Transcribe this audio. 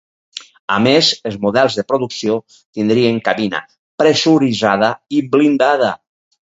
A més, els models de producció tindrien cabina pressuritzada i blindada.